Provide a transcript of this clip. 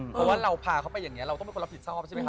เพราะว่าเราพาเขาไปอย่างนี้เราต้องเป็นคนรับผิดชอบใช่ไหมค